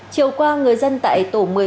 chiều qua người dân tại tổ một mươi bốn